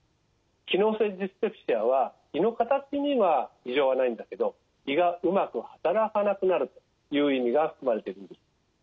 機能性ディスペプシアは胃の形には異常はないんだけど胃がうまく働かなくなるという意味が含まれているんです。